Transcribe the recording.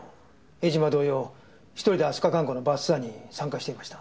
江島同様１人で飛鳥観光のバスツアーに参加していました。